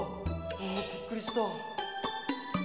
あびっくりした。